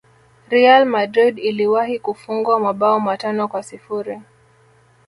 Real Madrid iliwahi kufungwa mabao matano kwa sifuri